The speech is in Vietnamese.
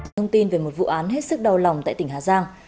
thông tin về một vụ án hết sức đau lòng tại tỉnh hà giang